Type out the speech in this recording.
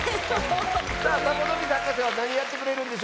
さあサボノミズはかせはなにやってくれるんでしょうか？